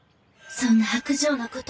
そんな薄情な事